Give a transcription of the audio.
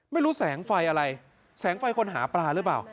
ไม่รู้แสงไฟอะไรแสงไฟคนหาปลาหรือเปล่า